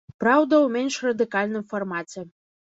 Праўда, у менш радыкальным фармаце.